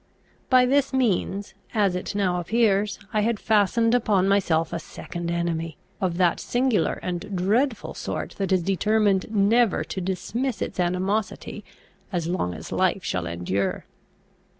By this means, as it now appears, I had fastened upon myself a second enemy, of that singular and dreadful sort that is determined never to dismiss its animosity as long as life shall endure.